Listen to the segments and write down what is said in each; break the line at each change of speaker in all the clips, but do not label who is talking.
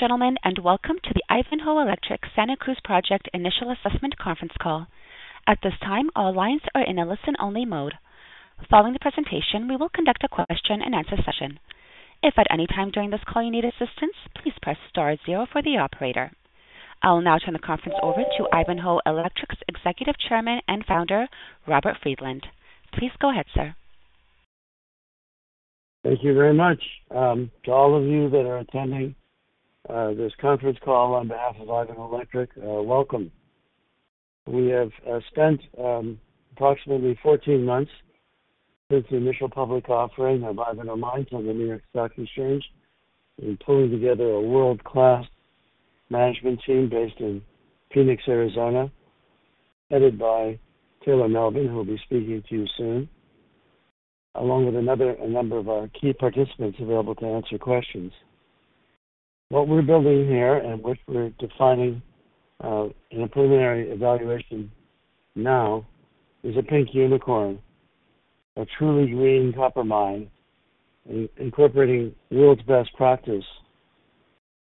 Gentlemen, and welcome to the Ivanhoe Electric Santa Cruz Project Initial Assessment Conference Call. At this time, all lines are in a listen-only mode. Following the presentation, we will conduct a question-and-answer session. If at any time during this call you need assistance, please press star zero for the operator. I'll now turn the conference over to Ivanhoe Electric's Executive Chairman and Founder, Robert Friedland. Please go ahead, sir.
Thank you very much. To all of you that are attending this conference call on behalf of Ivanhoe Electric, welcome. We have spent approximately 14 months since the initial public offering of Ivanhoe Mines on the New York Stock Exchange in pulling together a world-class management team based in Phoenix, Arizona, headed by Taylor Melvin, who will be speaking to you soon, along with a number of our key participants available to answer questions. What we're building here and what we're defining in a preliminary evaluation now is a pink unicorn, a truly green copper mine, incorporating world's best practice,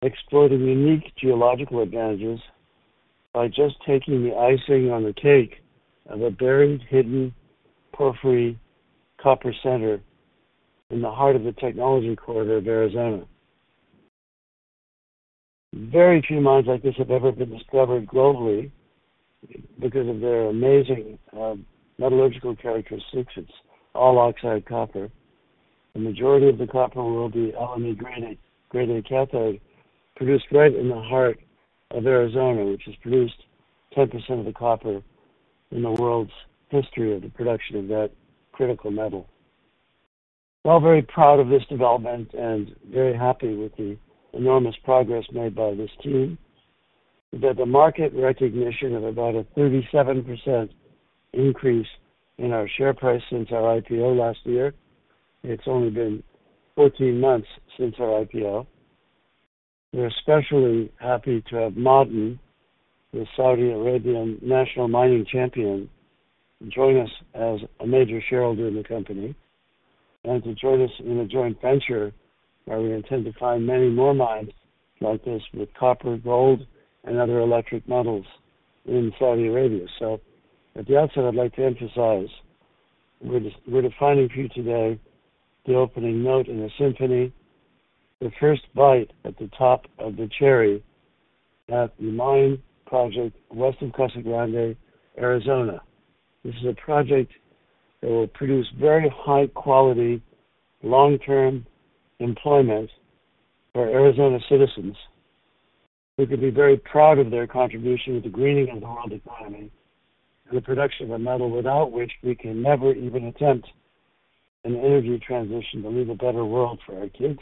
exploiting unique geological advantages by just taking the icing on the cake of a buried, hidden porphyry copper center in the heart of the technology corridor of Arizona. Very few mines like this have ever been discovered globally because of their amazing metallurgical characteristics. It's all oxide copper. The majority of the copper will be elementary grade, grade A cathode, produced right in the heart of Arizona, which has produced 10% of the copper in the world's history of the production of that critical metal. We're all very proud of this development and very happy with the enormous progress made by this team, that the market recognition of about a 37% increase in our share price since our IPO last year. It's only been 14 months since our IPO. We're especially happy to have Ma’aden, the Saudi Arabian national mining champion, join us as a major shareholder in the company, and to join us in a joint venture where we intend to find many more mines like this with copper, gold, and other electric metals in Saudi Arabia. So at the outset, I'd like to emphasize, we're defining for you today the opening note in a symphony, the first bite at the top of the cherry at the mine project west of Casa Grande, Arizona. This is a project that will produce very high quality, long-term employment for Arizona citizens, who could be very proud of their contribution to the greening of the world economy and the production of a metal without which we can never even attempt an energy transition to leave a better world for our kids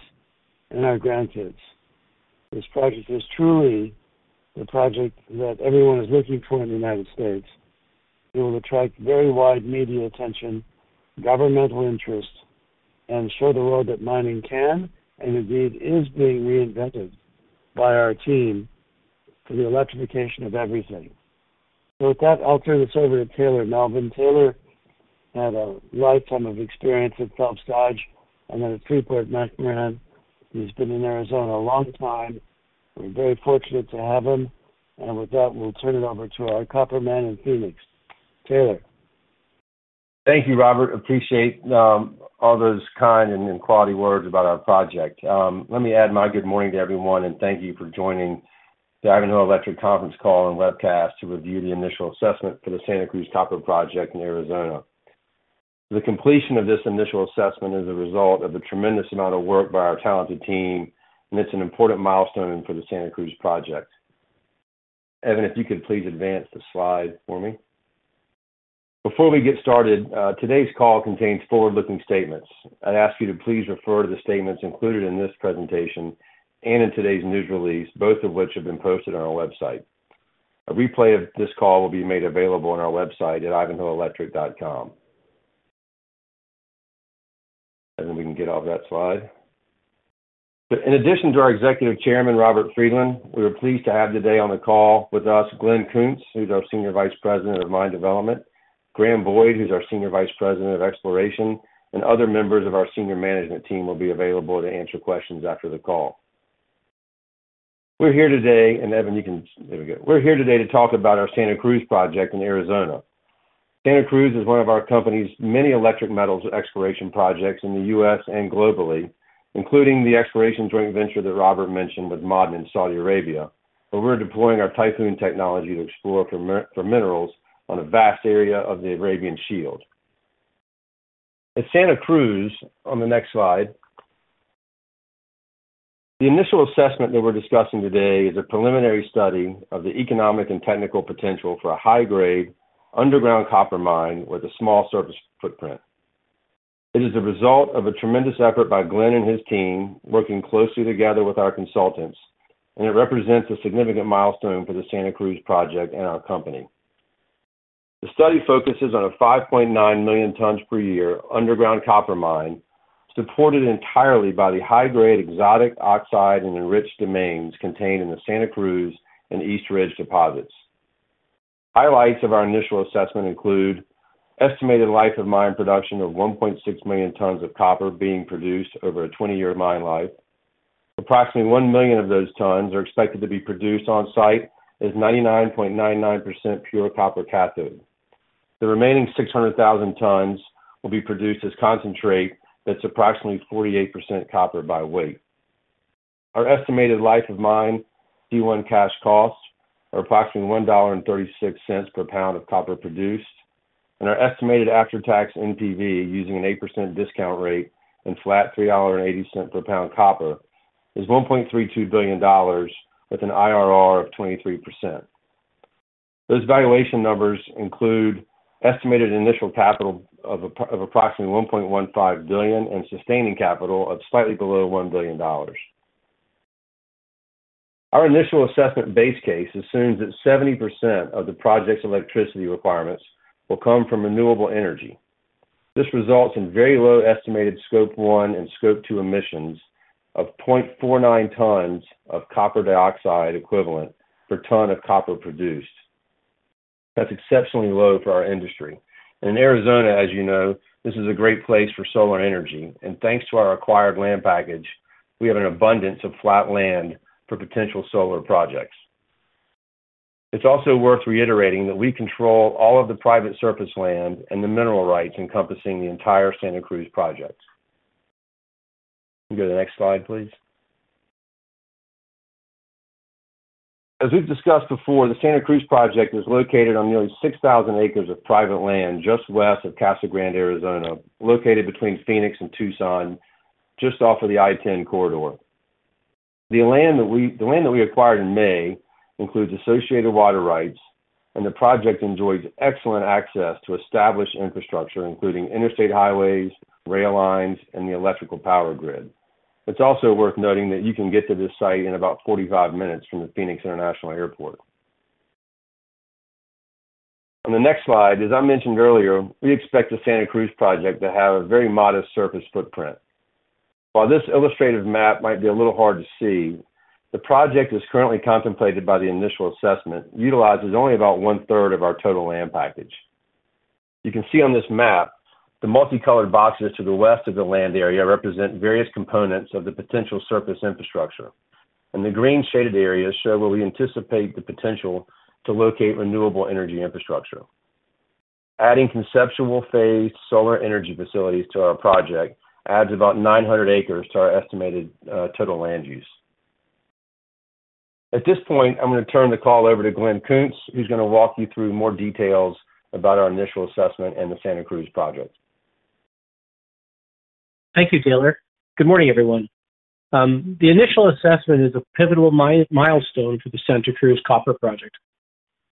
and our grandkids. This project is truly the project that everyone is looking for in the United States. It will attract very wide media attention, governmental interest, and show the world that mining can and indeed is being reinvented by our team for the electrification of everything. So with that, I'll turn this over to Taylor Melvin. Taylor had a lifetime of experience at Phelps Dodge and then at Freeport-McMoRan. He's been in Arizona a long time. We're very fortunate to have him. And with that, we'll turn it over to our copper man in Phoenix. Taylor.
Thank you, Robert. Appreciate all those kind and quality words about our project. Let me add my good morning to everyone, and thank you for joining the Ivanhoe Electric conference call and webcast to review the initial assessment for the Santa Cruz Copper Project in Arizona. The completion of this initial assessment is a result of a tremendous amount of work by our talented team, and it's an important milestone for the Santa Cruz project. Evan, if you could please advance the slide for me. Before we get started, today's call contains forward-looking statements. I'd ask you to please refer to the statements included in this presentation and in today's news release, both of which have been posted on our website. A replay of this call will be made available on our website at ivanhoeelectric.com. Then we can get off that slide. In addition to our Executive Chairman, Robert Friedland, we are pleased to have today on the call with us, Glen Kuntz, who's our Senior Vice President of Mine Development, Graham Boyd, who's our Senior Vice President of Exploration, and other members of our senior management team will be available to answer questions after the call. We're here today to talk about our Santa Cruz project in Arizona. Santa Cruz is one of our company's many electric metals exploration projects in the US and globally, including the exploration joint venture that Robert mentioned with Ma’aden in Saudi Arabia, where we're deploying our Typhoon technology to explore for minerals on a vast area of the Arabian Shield. At Santa Cruz, on the next slide, the initial assessment that we're discussing today is a preliminary study of the economic and technical potential for a high-grade, underground copper mine with a small surface footprint. It is a result of a tremendous effort by Glen and his team, working closely together with our consultants, and it represents a significant milestone for the Santa Cruz project and our company. The study focuses on a 5.9 million tons per year underground copper mine, supported entirely by the high-grade, exotic oxide and enriched domains contained in the Santa Cruz and East Ridge deposits. Highlights of our initial assessment include estimated life of mine production of 1.6 million tons of copper being produced over a 20-year mine life. Approximately 1 million of those tons are expected to be produced on-site as 99.99% pure copper cathode. The remaining 600,000 tons will be produced as concentrate that's approximately 48% copper by weight. Our estimated life of mine C1 cash costs are approximately $1.36 per pound of copper produced, and our estimated after-tax NPV, using an 8% discount rate and flat $3.80 per pound copper, is $1.32 billion with an IRR of 23%. Those valuation numbers include estimated initial capital of approximately $1.15 billion and sustaining capital of slightly below $1 billion. Our initial assessment base case assumes that 70% of the project's electricity requirements will come from renewable energy. This results in very low estimated Scope 1 and Scope 2 emissions of 0.49 tons of carbon dioxide equivalent per ton of copper produced. That's exceptionally low for our industry. In Arizona, as you know, this is a great place for solar energy, and thanks to our acquired land package, we have an abundance of flat land for potential solar projects. It's also worth reiterating that we control all of the private surface land and the mineral rights encompassing the entire Santa Cruz Project. You can go to the next slide, please. As we've discussed before, the Santa Cruz Project is located on nearly 6,000 acres of private land just west of Casa Grande, Arizona, located between Phoenix and Tucson, just off of the I-10 corridor. The land that we acquired in May includes associated water rights, and the project enjoys excellent access to established infrastructure, including interstate highways, rail lines, and the electrical power grid. It's also worth noting that you can get to this site in about 45 minutes from the Phoenix International Airport. On the next slide, as I mentioned earlier, we expect the Santa Cruz project to have a very modest surface footprint. While this illustrative map might be a little hard to see, the project is currently contemplated by the initial assessment, utilizes only about one-third of our total land package. You can see on this map, the multicolored boxes to the west of the land area represent various components of the potential surface infrastructure, and the green shaded areas show where we anticipate the potential to locate renewable energy infrastructure. Adding conceptual phase solar energy facilities to our project adds about 900 acres to our estimated, total land use. At this point, I'm gonna turn the call over to Glen Kuntz, who's gonna walk you through more details about our initial assessment and the Santa Cruz project.
Thank you, Taylor. Good morning, everyone. The initial assessment is a pivotal milestone for the Santa Cruz Copper Project.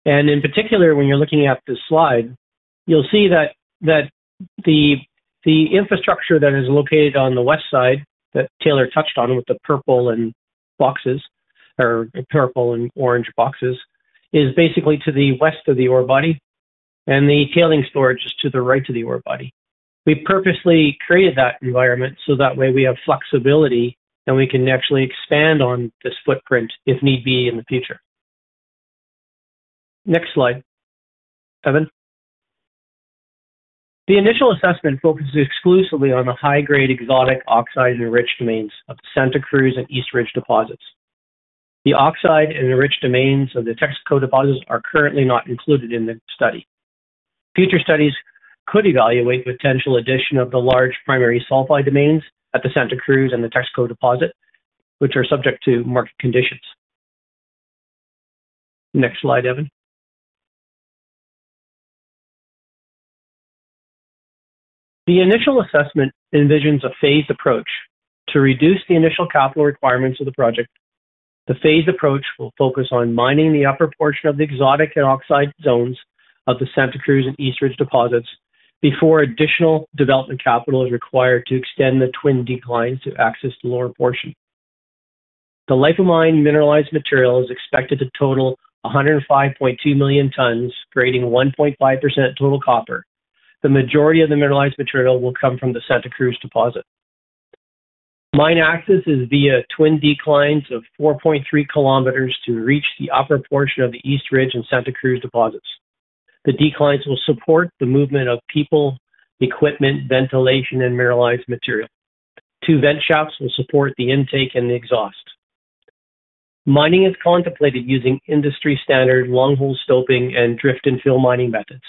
And in particular, when you're looking at this slide, you'll see that the infrastructure that is located on the west side, that Taylor touched on with the purple and boxes or purple and orange boxes, is basically to the west of the ore body and the tailings storage is to the right of the ore body. We purposely created that environment so that way we have flexibility, and we can actually expand on this footprint if need be in the future. Next slide. Kevin? The initial assessment focuses exclusively on the high-grade exotic oxide and rich domains of the Santa Cruz and East Ridge deposits. The oxide and rich domains of the Texaco deposits are currently not included in the study. Future studies could evaluate the potential addition of the large primary sulfide domains at the Santa Cruz and the Texaco deposit, which are subject to market conditions. Next slide, Evan. The initial assessment envisions a phased approach to reduce the initial capital requirements of the project. The phased approach will focus on mining the upper portion of the exotic and oxide zones of the Santa Cruz and East Ridge deposits before additional development capital is required to extend the twin declines to access the lower portion. The life of mine mineralized material is expected to total 105.2 million tons, grading 1.5% total copper. The majority of the mineralized material will come from the Santa Cruz deposit. Mine access is via twin declines of 4.3 kilometers to reach the upper portion of the East Ridge and Santa Cruz deposits. The declines will support the movement of people, equipment, ventilation, and mineralized material. Two vent shafts will support the intake and the exhaust. Mining is contemplated using industry-standard long hole stoping and drift and fill mining methods,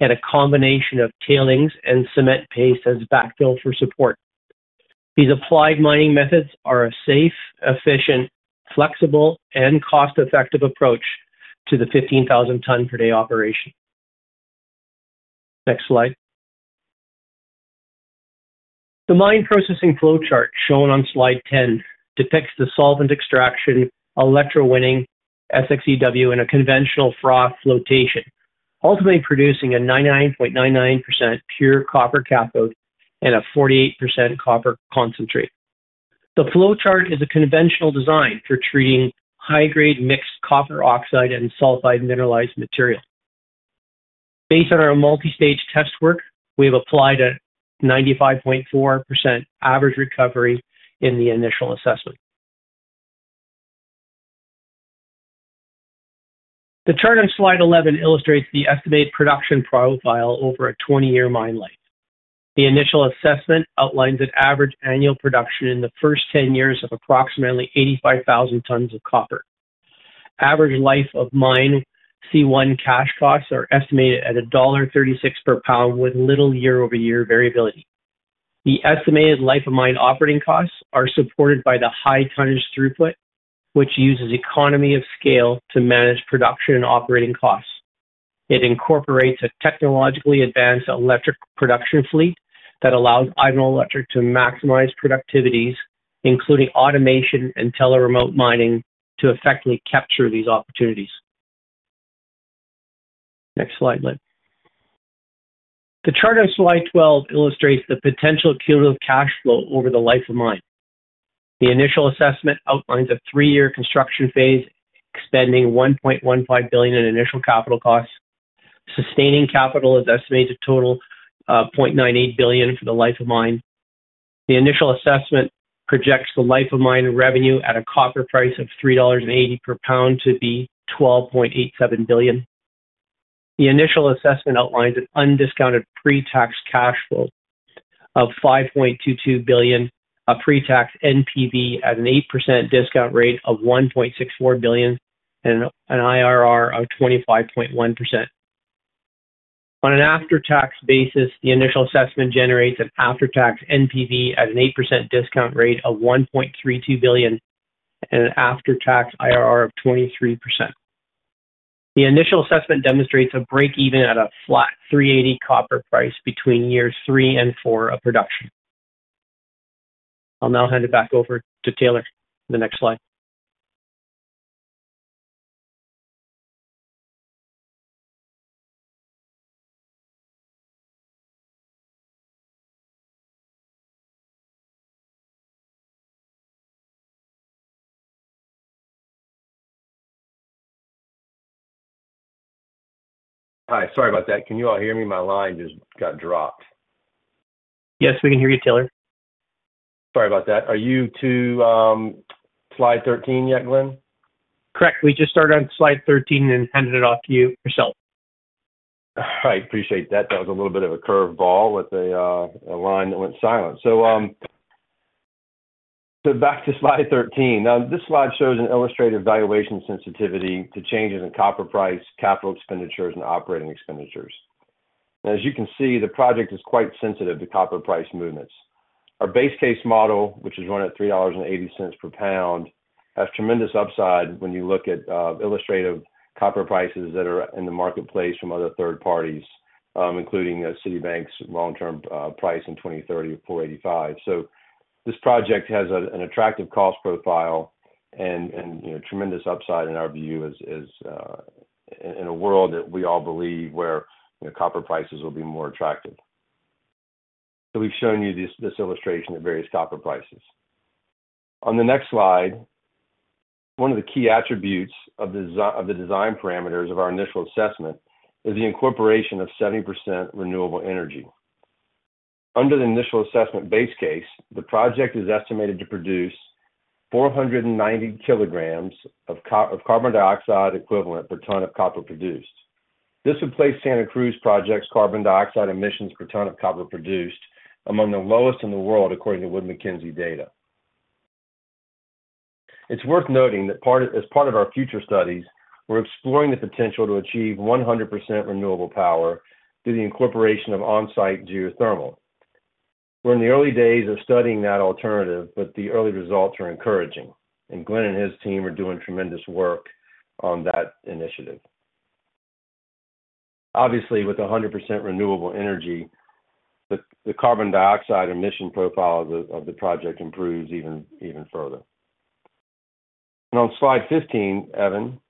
and a combination of tailings and cement paste as backfill for support. These applied mining methods are a safe, efficient, flexible, and cost-effective approach to the 15,000 ton per day operation. Next slide. The mine processing flowchart shown on slide 10 depicts the solvent extraction, electrowinning, SX-EW, in a conventional froth flotation, ultimately producing a 99.99% pure copper cathode and a 48% copper concentrate. The flowchart is a conventional design for treating high-grade mixed copper oxide and sulfide mineralized material. Based on our multi-stage test work, we have applied a 95.4% average recovery in the initial assessment. The chart on slide 11 illustrates the estimated production profile over a 20-year mine life. The initial assessment outlines an average annual production in the first 10 years of approximately 85,000 tons of copper. Average life of mine C1 cash costs are estimated at $1.36 per pound, with little year-over-year variability. The estimated life of mine operating costs are supported by the high tonnage throughput, which uses economy of scale to manage production and operating costs. It incorporates a technologically advanced electric production fleet that allows Ivanhoe Electric to maximize productivities, including automation and tele-remote mining, to effectively capture these opportunities. Next slide, Lynn. The chart on slide 12 illustrates the potential cumulative cash flow over the life of mine. The initial assessment outlines a three-year construction phase, expending $1.15 billion in initial capital costs. Sustaining capital is estimated to total $0.98 billion for the life of mine. The initial assessment projects the life of mine revenue at a copper price of $3.80 per pound to be $12.87 billion. The initial assessment outlines an undiscounted pre-tax cash flow of $5.22 billion, a pre-tax NPV at an 8% discount rate of $1.64 billion, and an IRR of 25.1%. On an after-tax basis, the initial assessment generates an after-tax NPV at an 8% discount rate of $1.32 billion and an after-tax IRR of 23%. The initial assessment demonstrates a break-even at a flat $3.80 copper price between years three and four of production. I'll now hand it back over to Taylor for the next slide.
Hi. Sorry about that. Can you all hear me? My line just got dropped.
Yes, we can hear you, Taylor.
Sorry about that. Are you to slide 13 yet, Glen?
Correct. We just started on slide 13 and handed it off to you yourself.
I appreciate that. That was a little bit of a curveball with a line that went silent. So, back to slide 13. Now, this slide shows an illustrated valuation sensitivity to changes in copper price, capital expenditures, and operating expenditures. As you can see, the project is quite sensitive to copper price movements. Our base case model, which is run at $3.80 per pound, has tremendous upside when you look at illustrative copper prices that are in the marketplace from other third parties, including Citibank's long-term price in 2030 of $4.85. So this project has an attractive cost profile and, you know, tremendous upside, in our view, as in a world that we all believe where, you know, copper prices will be more attractive. So we've shown you this illustration of various copper prices. On the next slide, one of the key attributes of the design parameters of our initial assessment is the incorporation of 70% renewable energy. Under the initial assessment base case, the project is estimated to produce 490 kilograms of carbon dioxide equivalent per ton of copper produced. This would place Santa Cruz Project's carbon dioxide emissions per ton of copper produced among the lowest in the world, according to Wood Mackenzie data. It's worth noting that as part of our future studies, we're exploring the potential to achieve 100% renewable power through the incorporation of on-site geothermal. We're in the early days of studying that alternative, but the early results are encouraging, and Glen and his team are doing tremendous work on that initiative. Obviously, with 100% renewable energy, the carbon dioxide emission profile of the project improves even further. On slide 15, Evan,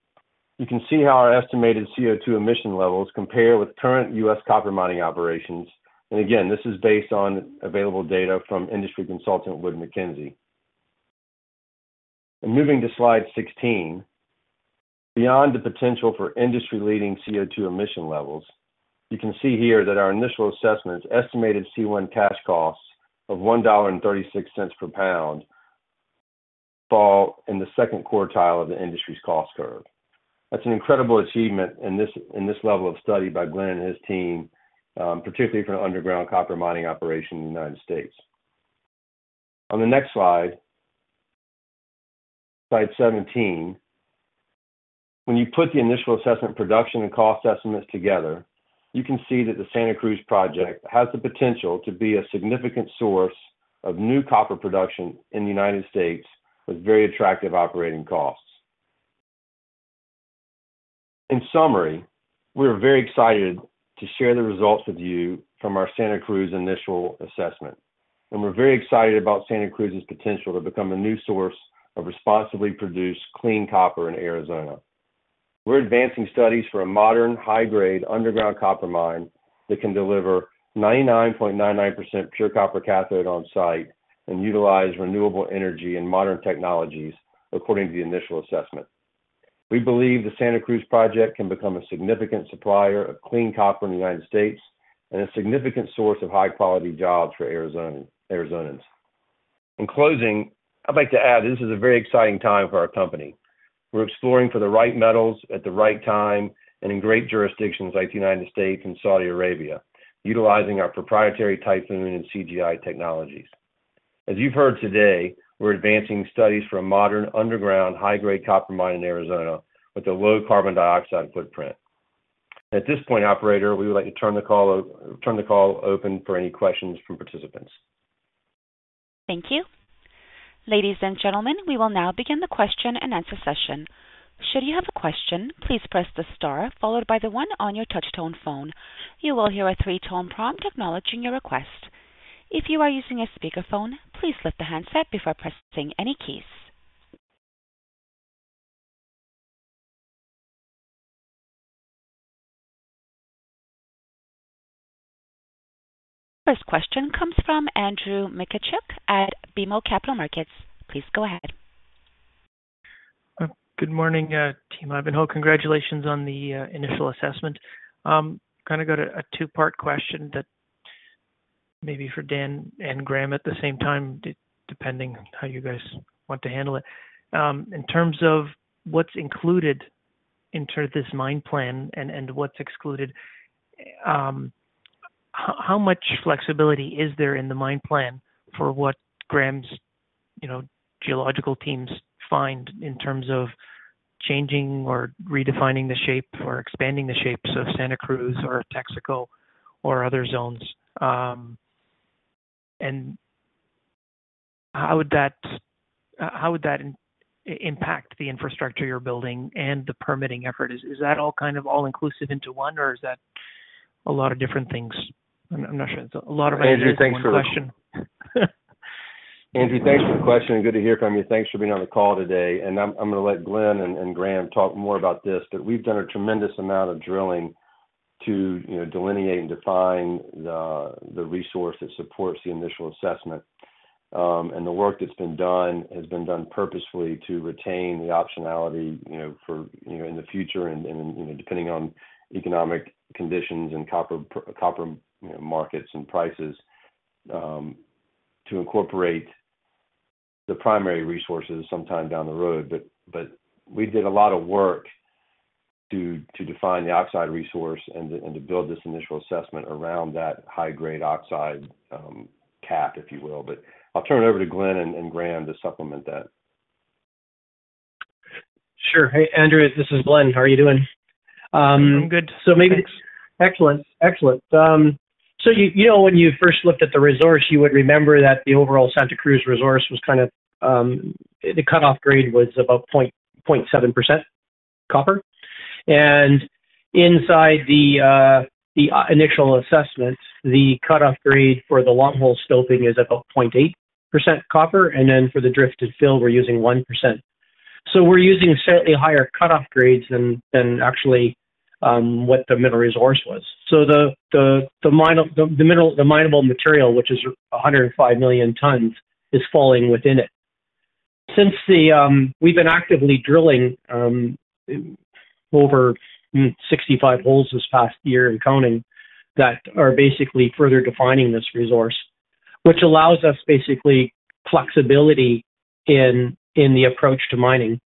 you can see how our estimated CO2 emission levels compare with current U.S. copper mining operations. Again, this is based on available data from industry consultant Wood Mackenzie. Moving to slide 16, beyond the potential for industry-leading CO2 emission levels, you can see here that our initial assessment's estimated C1 cash costs of $1.36 per pound fall in the second quartile of the industry's cost curve. That's an incredible achievement in this level of study by Glen and his team, particularly for an underground copper mining operation in the United States. On the next slide, slide 17, when you put the initial assessment, production, and cost estimates together, you can see that the Santa Cruz project has the potential to be a significant source of new copper production in the United States, with very attractive operating costs. In summary, we are very excited to share the results with you from our Santa Cruz initial assessment, and we're very excited about Santa Cruz's potential to become a new source of responsibly produced clean copper in Arizona. We're advancing studies for a modern, high-grade underground copper mine that can deliver 99.99% pure copper cathode on-site and utilize renewable energy and modern technologies, according to the initial assessment.... We believe the Santa Cruz project can become a significant supplier of clean copper in the United States and a significant source of high-quality jobs for Arizona, Arizonans. In closing, I'd like to add, this is a very exciting time for our company. We're exploring for the right metals at the right time and in great jurisdictions like the United States and Saudi Arabia, utilizing our proprietary Typhoon and CGI technologies. As you've heard today, we're advancing studies for a modern, underground, high-grade copper mine in Arizona with a low carbon dioxide footprint. At this point, operator, we would like to turn the call, turn the call open for any questions from participants.
Thank you. Ladies and gentlemen, we will now begin the question-and-answer session. Should you have a question, please press the star followed by the one on your touchtone phone. You will hear a three-tone prompt acknowledging your request. If you are using a speakerphone, please lift the handset before pressing any keys. First question comes from Andrew Mikitchook at BMO Capital Markets. Please go ahead.
Good morning, team Ivanhoe. Congratulations on the initial assessment. Kind of go to a two-part question that maybe for Dan and Graham at the same time, depending how you guys want to handle it. In terms of what's included into this mine plan and what's excluded, how much flexibility is there in the mine plan for what Graham's, you know, geological teams find in terms of changing or redefining the shape or expanding the shapes of Santa Cruz or Texaco or other zones? And how would that impact the infrastructure you're building and the permitting effort? Is that all kind of all inclusive into one, or is that a lot of different things? I'm not sure. It's a lot of-
Andrew, thanks for the question. Andrew, thanks for the question, and good to hear from you. Thanks for being on the call today. And I'm gonna let Glen and Graham talk more about this, but we've done a tremendous amount of drilling to, you know, delineate and define the resource that supports the initial assessment. And the work that's been done has been done purposefully to retain the optionality, you know, for, you know, in the future and, you know, depending on economic conditions and copper markets and prices, to incorporate the primary resources sometime down the road. But we did a lot of work to define the oxide resource and to build this initial assessment around that high-grade oxide cap, if you will. I'll turn it over to Glen and Graham to supplement that.
Sure. Hey, Andrew, this is Glen. How are you doing?
I'm good.
Excellent. Excellent. So you, you know, when you first looked at the resource, you would remember that the overall Santa Cruz resource was kind of, the cutoff grade was about 0.7% copper. And inside the initial assessment, the cutoff grade for the longhole stoping is about 0.8% copper, and then for the drift and fill, we're using 1%. So we're using slightly higher cutoff grades than actually what the mineral resource was. So the mineable material, which is 105 million tons, is falling within it. Since we've been actively drilling over 65 holes this past year and counting, that are basically further defining this resource, which allows us basically flexibility in the approach to mining.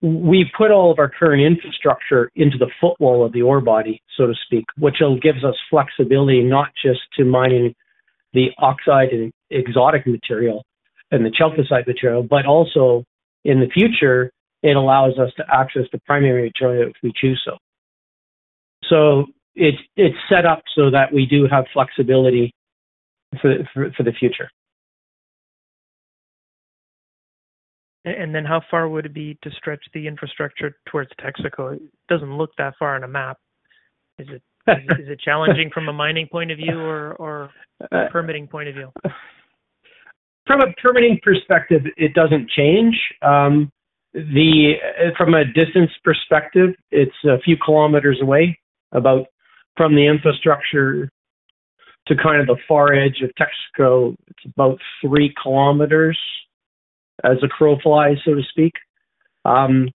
We've put all of our current infrastructure into the footwall of the ore body, so to speak, which gives us flexibility, not just to mining the oxide and exotic material and the chalcopyrite material, but also in the future, it allows us to access the primary material if we choose so. So it's set up so that we do have flexibility for the future.
Then how far would it be to stretch the infrastructure towards Texaco? It doesn't look that far on a map. Is it, is it challenging from a mining point of view or, or a permitting point of view?
From a permitting perspective, it doesn't change. From a distance perspective, it's a few kilometers away, about from the infrastructure to kind of the far edge of Texaco, it's about 3 kilometers as a crow flies, so to speak. From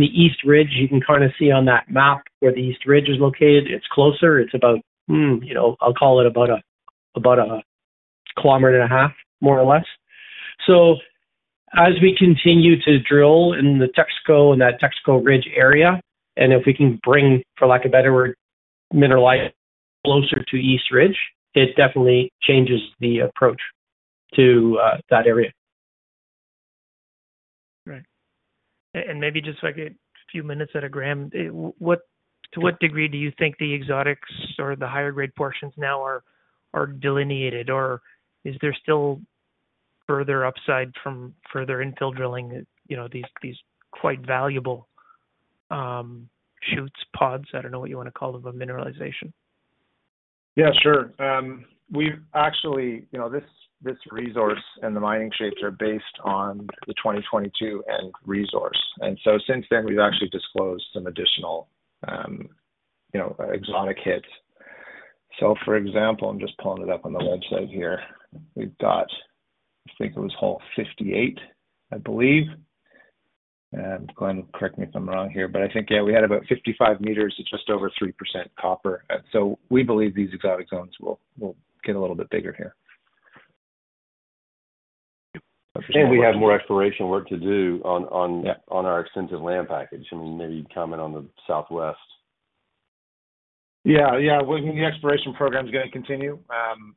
the East Ridge, you can kind of see on that map where the East Ridge is located, it's closer. It's about, you know, I'll call it about 1.5 kilometers, more or less. So as we continue to drill in the Texaco, in that Texaco Ridge area, and if we can bring, for lack of a better word, mineralize closer to East Ridge, it definitely changes the approach to that area.
Right. And maybe just like a few minutes out of Graham, what-
Sure.
To what degree do you think the exotics or the higher grade portions now are delineated, or is there still further upside from further infill drilling, you know, these quite valuable shoots, pods, I don't know what you want to call them, of mineralization?
Yeah, sure. We've actually, you know, this, this resource and the mining shapes are based on the 2022 end resource. And so since then, we've actually disclosed some additional, you know, exotic hits....
So, for example, I'm just pulling it up on the website here. We've got, I think it was hole 58, I believe, and Glen, correct me if I'm wrong here, but I think, yeah, we had about 55 meters at just over 3% copper. So we believe these exotic zones will, will get a little bit bigger here.
We have more exploration work to do on...
Yeah.
On our extensive land package. I mean, maybe comment on the southwest.
Yeah. Yeah. Well, the exploration program is gonna continue.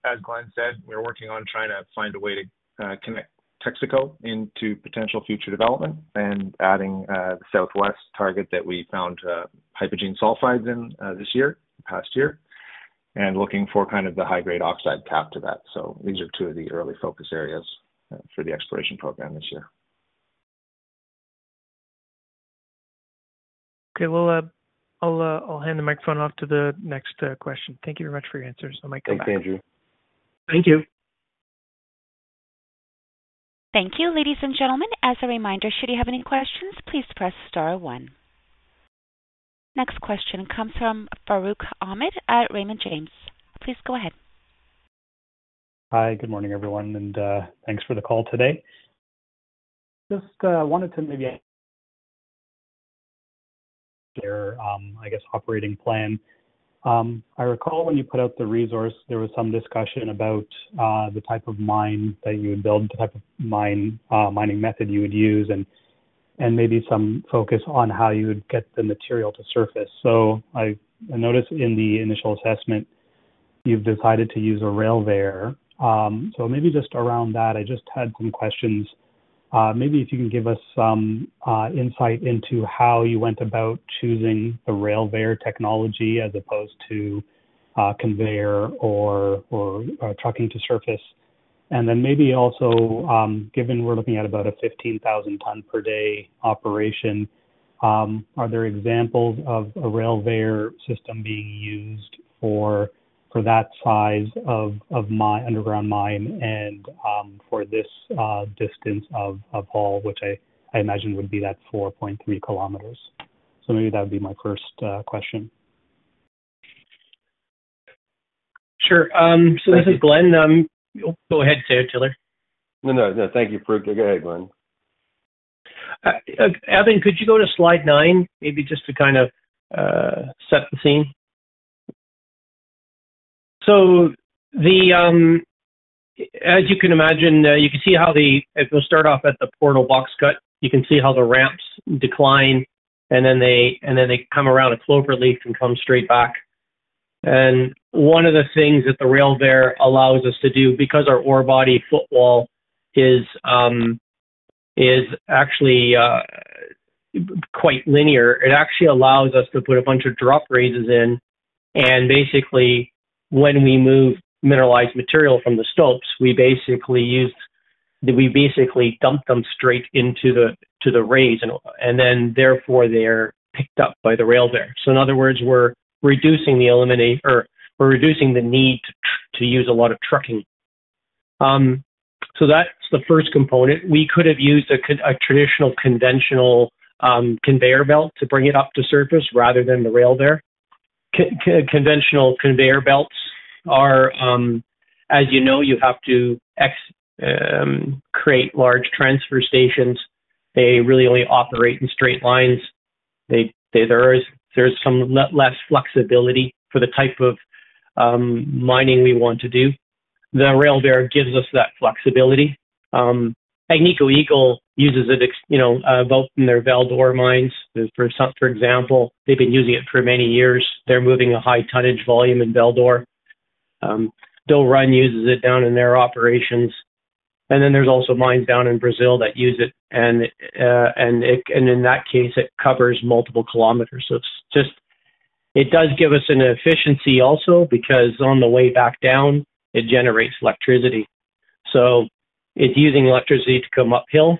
As Glen said, we're working on trying to find a way to connect Texaco into potential future development and adding the southwest target that we found hypogene sulfides in this year, the past year, and looking for kind of the high-grade oxide cap to that. So these are two of the early focus areas for the exploration program this year.
Okay. We'll, I'll, I'll hand the microphone off to the next question. Thank you very much for your answers. I might come back.
Thanks, Andrew.
Thank you.
Thank you, ladies and gentlemen. As a reminder, should you have any questions, please press star one. Next question comes from Farooq Hamed at Raymond James. Please go ahead.
Hi, good morning, everyone, and thanks for the call today. Just wanted to maybe... Your, I guess, operating plan. I recall when you put out the resource, there was some discussion about the type of mine that you would build, the type of mine, mining method you would use, and, and maybe some focus on how you would get the material to surface. So I noticed in the initial assessment, you've decided to use a Rail-Veyor. So maybe just around that, I just had some questions. Maybe if you can give us some insight into how you went about choosing the Rail-Veyor technology as opposed to conveyor or trucking to surface. And then maybe also, given we're looking at about a 15,000-ton per day operation, are there examples of a Rail-Veyor system being used for that size of underground mine and for this distance of haul, which I imagine would be that 4.3 kilometers? So maybe that would be my first question.
Sure. This is Glen. Go ahead, Taylor.
No, no, no. Thank you, Farooq. Go ahead, Glen.
Evan, could you go to slide 9, maybe just to kind of set the scene? So as you can imagine, you can see how the... It will start off at the portal box cut. You can see how the ramps decline, and then they, and then they come around a cloverleaf and come straight back. And one of the things that the Rail-Veyor allows us to do, because our ore body footwall is actually quite linear, it actually allows us to put a bunch of drop raises in, and basically, when we move mineralized material from the stopes, we basically use, we basically dump them straight into the, to the raise, and, and then therefore, they're picked up by the Rail-Veyor. So in other words, we're reducing the eliminate or we're reducing the need to use a lot of trucking. So that's the first component. We could have used a traditional, conventional, conveyor belt to bring it up to surface rather than the Rail-Veyor. Conventional conveyor belts are, as you know, you have to create large transfer stations. They really only operate in straight lines. They, there is, there's some less flexibility for the type of mining we want to do. The Rail-Veyor gives us that flexibility. Agnico Eagle uses it, you know, both in their Val-d'Or mines, for example. They've been using it for many years. They're moving a high tonnage volume in Val-d'Or. Stillwater uses it down in their operations, and then there's also mines down in Brazil that use it, and it, and in that case, it covers multiple kilometers. So it's just... It does give us an efficiency also because on the way back down, it generates electricity. So it's using electricity to come uphill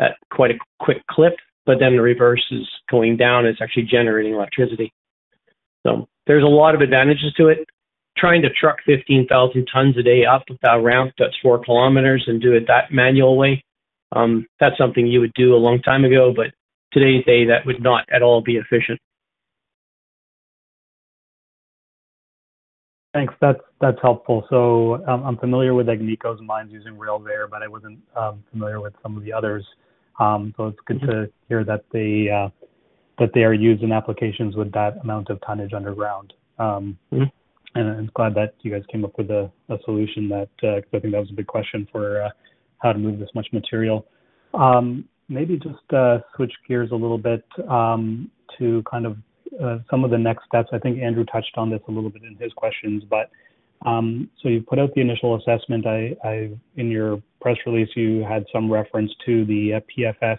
at quite a quick clip, but then the reverse is going down, it's actually generating electricity. So there's a lot of advantages to it. Trying to truck 15,000 tons a day up that ramp, that's 4 kilometers, and do it that manual way, that's something you would do a long time ago, but today's day, that would not at all be efficient.
Thanks. That's, that's helpful. So I'm, I'm familiar with Agnico's mines using Rail-Veyor, but I wasn't familiar with some of the others. So it's good to hear that they, that they are used in applications with that amount of tonnage underground.
Mm-hmm.
I'm glad that you guys came up with a solution that I think that was a big question for how to move this much material. Maybe just switch gears a little bit to kind of some of the next steps. I think Andrew touched on this a little bit in his questions, but so you've put out the initial assessment. In your press release, you had some reference to the PFS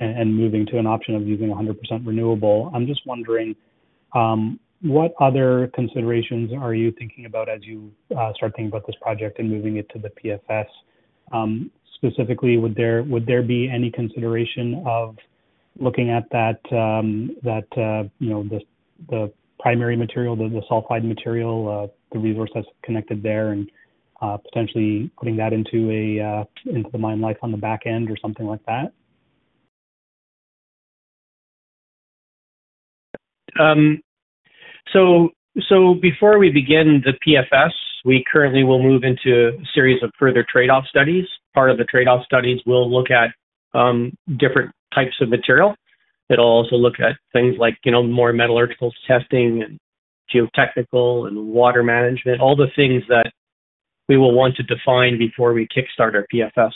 and moving to an option of using 100% renewable. I'm just wondering what other considerations are you thinking about as you start thinking about this project and moving it to the PFS? Specifically, would there be any consideration of looking at that, you know, the primary material, the sulfide material, the resource that's connected there, and potentially putting that into the mine life on the back end or something like that?...
So before we begin the PFS, we currently will move into a series of further trade-off studies. Part of the trade-off studies will look at different types of material. It'll also look at things like, you know, more metallurgical testing and geotechnical and water management, all the things that we will want to define before we kickstart our PFS.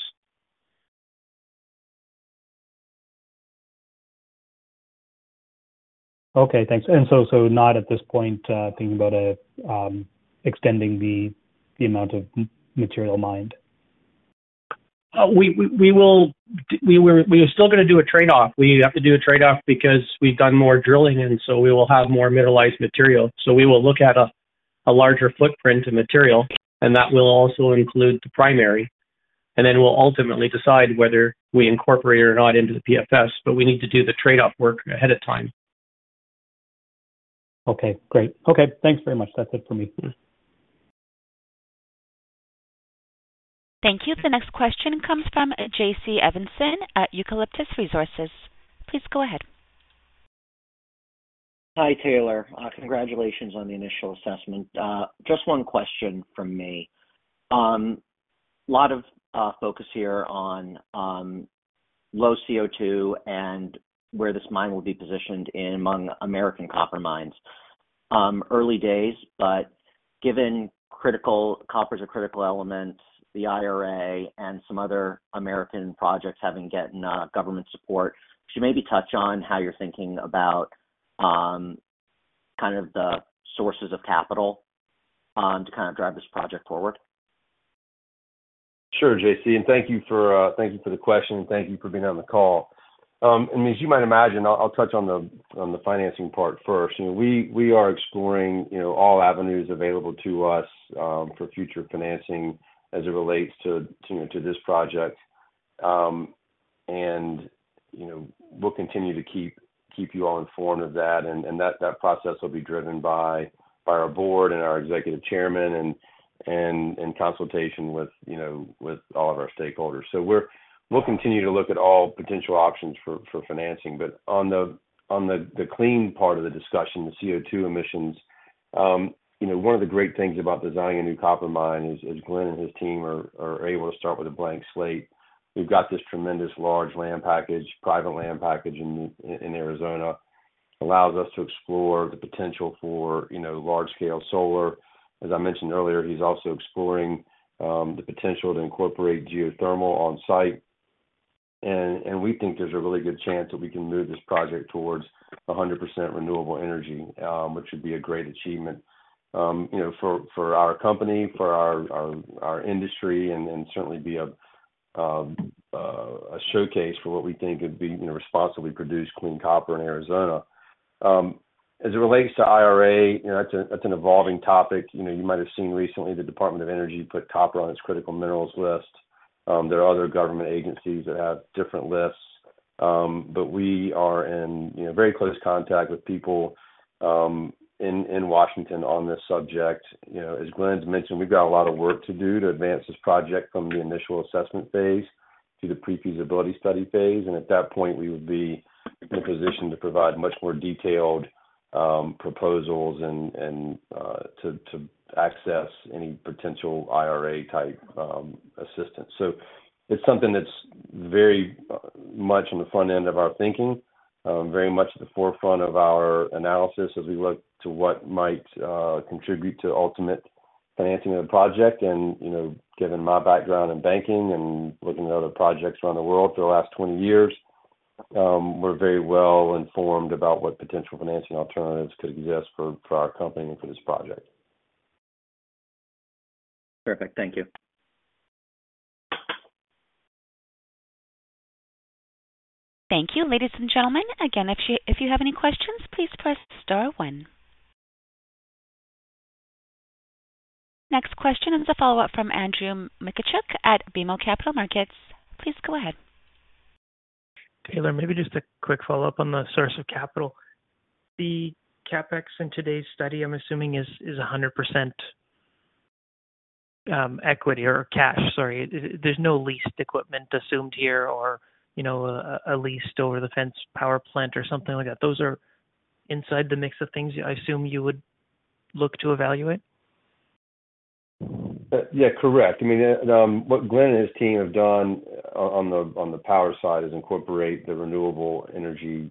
Okay, thanks. And so, so not at this point, thinking about extending the amount of material mined?
We will. We are still going to do a trade-off. We have to do a trade-off because we've done more drilling, and so we will have more mineralized material. So we will look at a larger footprint of material, and that will also include the primary, and then we'll ultimately decide whether we incorporate it or not into the PFS, but we need to do the trade-off work ahead of time.
Okay, great. Okay, thanks very much. That's it for me.
Thank you. The next question comes from J.C. Evensen at Eucalyptus Resources. Please go ahead.
Hi, Taylor. Congratulations on the initial assessment. Just one question from me. A lot of focus here on low CO2 and where this mine will be positioned in among American copper mines. Early days, but given critical, copper is a critical element, the IRA and some other American projects having getting government support, could you maybe touch on how you're thinking about kind of the sources of capital to kind of drive this project forward?
Sure, JC, and thank you for, thank you for the question, and thank you for being on the call. As you might imagine, I'll touch on the financing part first. You know, we are exploring, you know, all avenues available to us, for future financing as it relates to, to this project. And, you know, we'll continue to keep you all informed of that, and that process will be driven by our board and our Executive Chairman and in consultation with, you know, with all of our stakeholders. So we'll continue to look at all potential options for financing. But on the clean part of the discussion, the CO2 emissions, you know, one of the great things about designing a new copper mine is Glen and his team are able to start with a blank slate. We've got this tremendous large land package, private land package in Arizona, allows us to explore the potential for, you know, large scale solar. As I mentioned earlier, he's also exploring the potential to incorporate geothermal on site. And we think there's a really good chance that we can move this project towards 100% renewable energy, which would be a great achievement, you know, for our company, for our industry, and then certainly be a showcase for what we think would be, you know, responsibly produced clean copper in Arizona. As it relates to IRA, you know, that's an evolving topic. You know, you might have seen recently the Department of Energy put copper on its critical minerals list. There are other government agencies that have different lists, but we are in, you know, very close contact with people in Washington on this subject. You know, as Glenn's mentioned, we've got a lot of work to do to advance this project from the initial assessment phase to the pre-feasibility study phase, and at that point, we would be in a position to provide much more detailed proposals and to access any potential IRA-type assistance. It's something that's very much on the front end of our thinking, very much at the forefront of our analysis as we look to what might contribute to ultimate financing of the project. You know, given my background in banking and looking at other projects around the world for the last 20 years, we're very well informed about what potential financing alternatives could exist for our company and for this project.
Perfect. Thank you.
Thank you, ladies and gentlemen. Again, if you, if you have any questions, please press star one. Next question is a follow-up from Andrew Mikitchook at BMO Capital Markets. Please go ahead.
Taylor, maybe just a quick follow-up on the source of capital. The CapEx in today's study, I'm assuming, is 100% equity or cash, sorry. There's no leased equipment assumed here or, you know, a leased over the fence power plant or something like that. Those are inside the mix of things I assume you would look to evaluate?
Yeah, correct. I mean, what Glen and his team have done on the power side is incorporate the renewable energy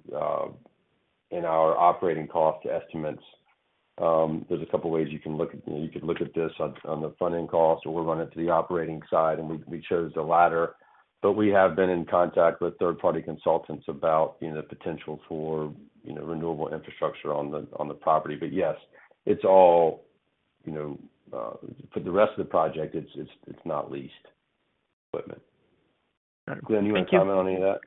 in our operating cost estimates. There's a couple of ways you can look at this. You could look at this on the front-end cost, or we'll run it to the operating side, and we chose the latter. But we have been in contact with third-party consultants about, you know, the potential for, you know, renewable infrastructure on the property. But yes, it's all, you know, for the rest of the project, it's not leased equipment. Glen, you want to comment on any of that?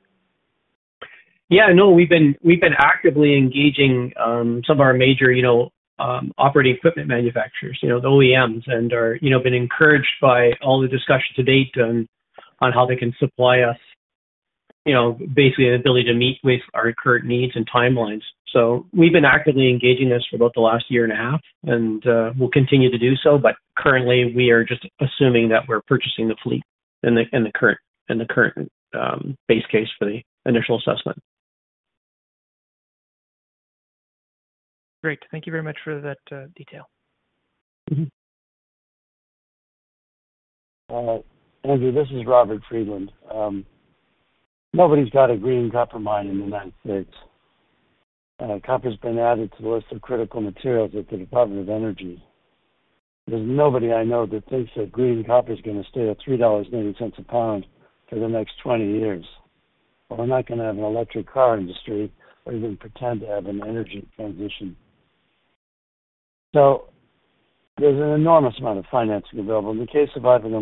Yeah, no, we've been, we've been actively engaging some of our major, you know, operating equipment manufacturers, you know, the OEMs, and are, you know, been encouraged by all the discussions to date on, on how they can supply us, you know, basically an ability to meet with our current needs and timelines. So we've been actively engaging this for about the last year and a half, and we'll continue to do so, but currently, we are just assuming that we're purchasing the fleet.... than the current base case for the initial assessment.
Great. Thank you very much for that, detail.
Mm-hmm.
Andrew, this is Robert Friedland. Nobody's got a green copper mine in the United States. Copper's been added to the list of critical materials at the Department of Energy. There's nobody I know that thinks that green copper is gonna stay at $3.80 a pound for the next 20 years, or we're not gonna have an electric car industry or even pretend to have an energy transition. So there's an enormous amount of financing available. In the case of Ivanhoe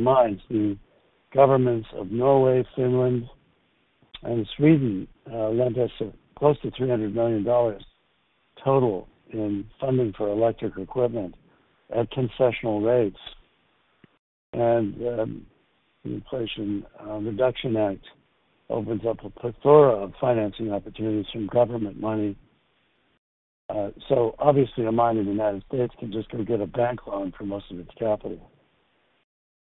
Mines, the governments of Norway, Finland, and Sweden lent us close to $300 million total in funding for electric equipment at concessional rates. And the Inflation Reduction Act opens up a plethora of financing opportunities from government money. So obviously, a mine in the United States can just go get a bank loan for most of its capital.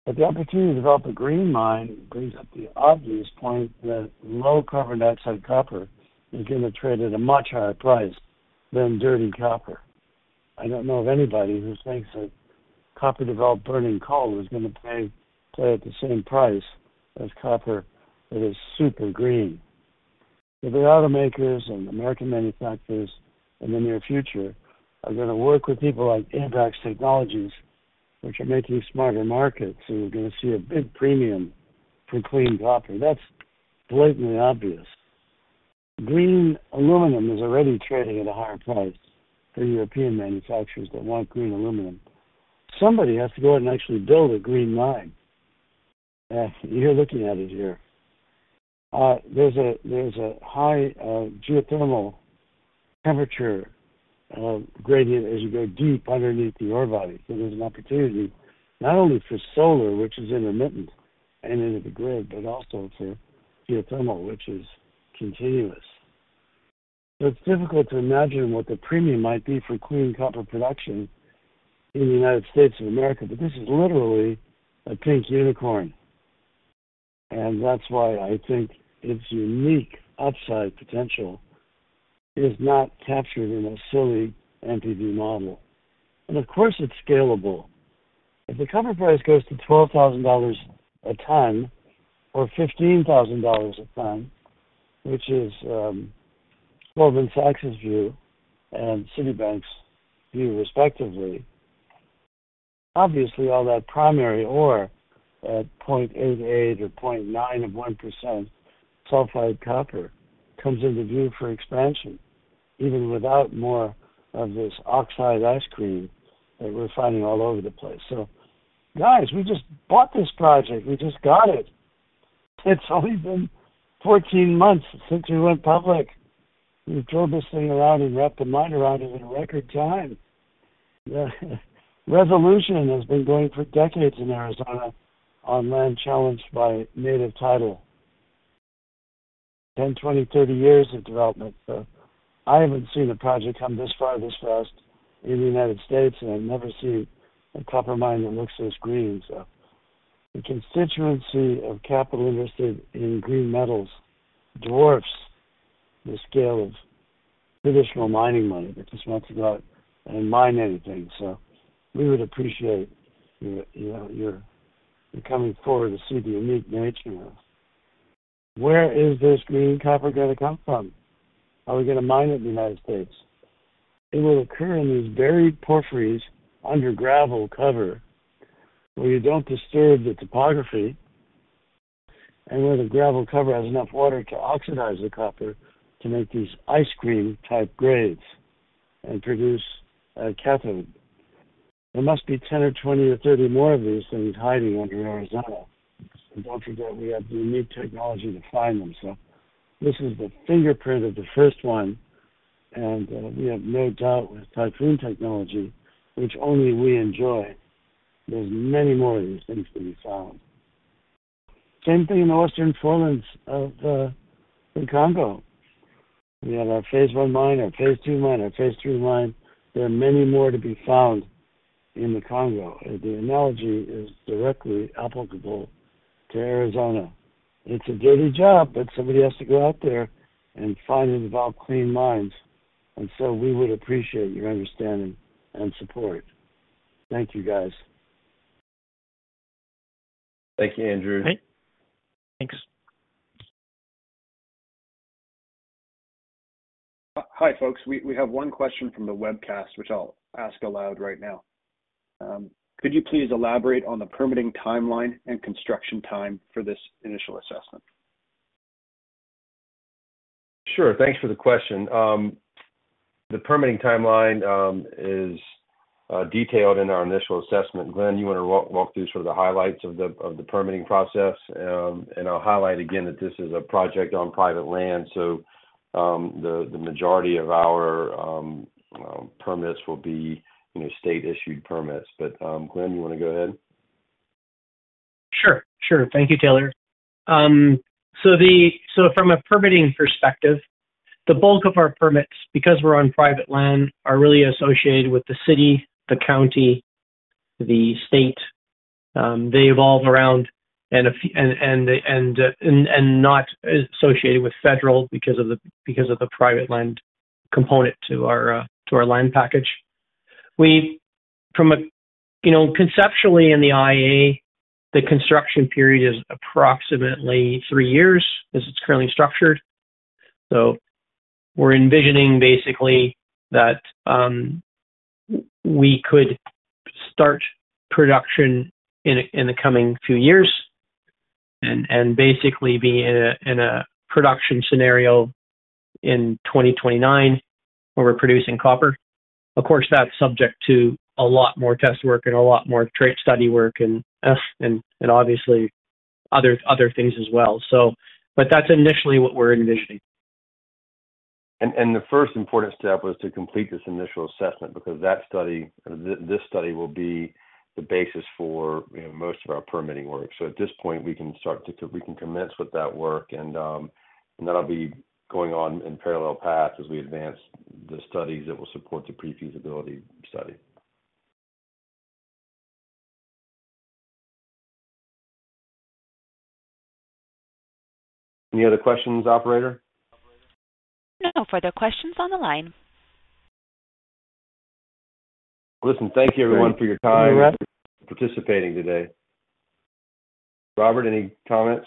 But the opportunity to develop a green mine brings up the obvious point that low carbon dioxide copper is gonna trade at a much higher price than dirty copper. I don't know of anybody who thinks that copper developed burning coal is gonna pay, play at the same price as copper that is super green. So the automakers and American manufacturers in the near future are gonna work with people like Abaxx Technologies, which are making Smarter Markets, and we're gonna see a big premium for clean copper. That's blatantly obvious. Green aluminum is already trading at a higher price for European manufacturers that want green aluminum. Somebody has to go out and actually build a green mine. You're looking at it here. There's a high geothermal temperature gradient as you go deep underneath the ore body. So there's an opportunity not only for solar, which is intermittent and into the grid, but also for geothermal, which is continuous. So it's difficult to imagine what the premium might be for clean copper production in the United States of America, but this is literally a pink unicorn, and that's why I think its unique upside potential is not captured in a silly NPV model. And of course, it's scalable. If the copper price goes to $12,000 a ton, or $15,000 a ton, which is Goldman Sachs's view and Citibank's view, respectively, obviously, all that primary ore at 0.88% or 0.91% sulfide copper comes into view for expansion, even without more of this oxide ice cream that we're finding all over the place. So, guys, we just bought this project. We just got it. It's only been 14 months since we went public. We drove this thing around and wrapped the mine around it in record time. Resolution has been going for decades in Arizona on land challenged by native title. 10, 20, 30 years of development. So I haven't seen a project come this far, this fast in the United States, and I've never seen a copper mine that looks this green. So the constituency of capital interested in green metals dwarfs the scale of traditional mining money that just wants to go out and mine anything. So we would appreciate your, you know, your coming forward to see the unique nature of... Where is this green copper gonna come from? How are we gonna mine it in the United States? It will occur in these buried porphyries under gravel cover, where you don't disturb the topography and where the gravel cover has enough water to oxidize the copper to make these ice cream-type grades and produce a cathode. There must be 10 or 20 or 30 more of these things hiding under Arizona. And don't forget, we have the unique technology to find them. So this is the fingerprint of the first one, and we have no doubt with Typhoon technology, which only we enjoy. There's many more of these things to be found. Same thing in eastern frontier of the Congo. We have our phase 1 mine, our phase 2 mine, our phase 3 mine. There are many more to be found in the Congo, and the analogy is directly applicable to Arizona. It's a dirty job, but somebody has to go out there and find and develop clean mines. So we would appreciate your understanding and support. Thank you, guys.
Thank you, Andrew.
Great. Thanks.
Hi, folks. We have one question from the webcast, which I'll ask aloud right now. Could you please elaborate on the permitting timeline and construction time for this initial assessment?
Sure. Thanks for the question. The permitting timeline is detailed in our initial assessment. Glen, you wanna walk through sort of the highlights of the permitting process? And I'll highlight again that this is a project on private land, so, the majority of our permits will be, you know, state-issued permits. But, Glen, you wanna go ahead?
Sure, sure. Thank you, Taylor. So from a permitting perspective- ...The bulk of our permits, because we're on private land, are really associated with the city, the county, the state. They revolve around a few and not associated with federal because of the private land component to our land package. We from a... You know, conceptually, in the IA, the construction period is approximately three years as it's currently structured. So we're envisioning basically that we could start production in the coming few years and basically be in a production scenario in 2029, where we're producing copper. Of course, that's subject to a lot more test work and a lot more trade study work and obviously other things as well. So, but that's initially what we're envisioning.
The first important step was to complete this initial assessment because that study, this study will be the basis for, you know, most of our permitting work. So at this point, we can start to, we can commence with that work, and that'll be going on in parallel paths as we advance the studies that will support the pre-feasibility study. Any other questions, operator?
No further questions on the line.
Listen, thank you everyone for your time.
Thank you, Russ.
and for participating today. Robert, any comments?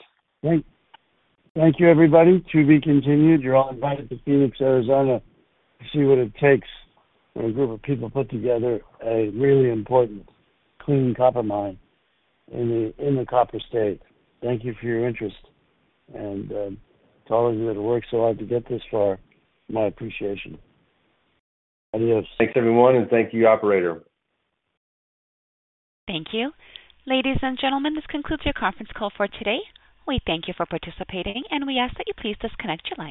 Great. Thank you, everybody. To be continued. You're all invited to Phoenix, Arizona, to see what it takes when a group of people put together a really important clean copper mine in the, in the Copper State. Thank you for your interest, and to all of you that have worked so hard to get this far, my appreciation. Adios.
Thanks, everyone, and thank you, operator.
Thank you. Ladies and gentlemen, this concludes your conference call for today. We thank you for participating, and we ask that you please disconnect your lines.